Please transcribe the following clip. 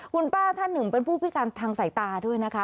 คุณป้าท่านหนึ่งเป็นผู้พิการทางสายตาด้วยนะคะ